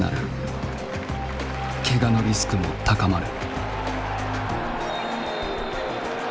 けがのリスクも高まる。